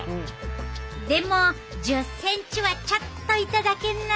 でも１０ｃｍはちょっといただけんな。